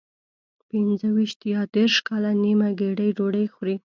پنځه ویشت یا دېرش کاله نیمه ګېډه ډوډۍ خوري.